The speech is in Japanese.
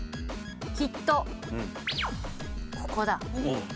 きっとここだ。